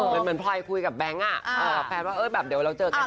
เหมือนพลอยคุยกับแบงค์แฟนว่าแบบเดี๋ยวเราเจอกัน